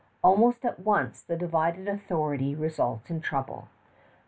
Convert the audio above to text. Almost at once the divided authority results in trouble.